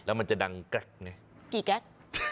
แล้วมันจะดังแกร็กเนี่ยกี่แกร็ก